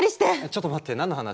ちょっと待って何の話？